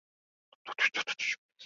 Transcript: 新奇士供应有品质控制。